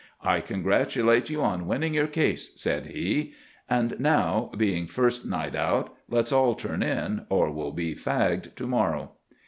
"I congratulate you on winning your case!" said he. "And now, being first night out, let's all turn in, or we'll be fagged to morrow."